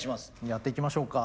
やっていきましょうか。